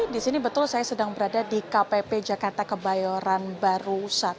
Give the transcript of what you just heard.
di sini betul saya sedang berada di kpp jakarta kebayoran baru satu